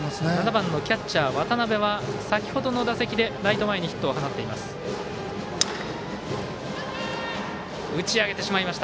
７番のキャッチャー渡辺は先ほどの打席でライト前にヒットを放っています。